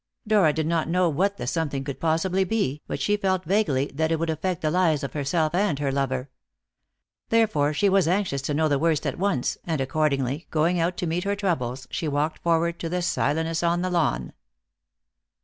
Dora did not know what the something could possibly be, but she felt vaguely that it would affect the lives of herself and her lover. Therefore she was anxious to know the worst at once, and accordingly, going out to meet her troubles, she walked forward to the Silenus on the lawn.